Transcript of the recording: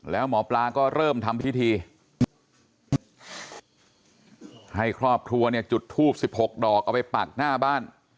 แล้วหมอปลาก็เริ่มทำพิธีให้ครอบครัวเนี่ยจุดทูบ๑๖ดอกเอาไปปักหน้าบ้าน